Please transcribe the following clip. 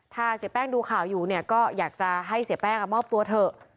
ถ้าเสียแป้งดูข่าวอยู่เนี่ยก็อยากจะให้เสียแป้งมอบตัวเถอะ